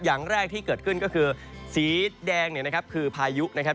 อย่างแรกที่เกิดขึ้นก็คือสีแดงคือพายุนะครับ